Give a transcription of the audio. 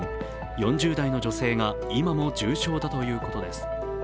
４０代の女性が今も重症だということです。